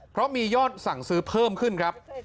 เพราะมียอดสั่งซื้อเพิ่มขึ้นครับ